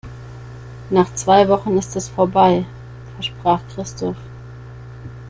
Nach zwei Wochen ist es vorbei, versprach Christoph.